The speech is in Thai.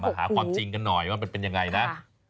หาความจริงกันหน่อยว่ามันเป็นยังไงนะ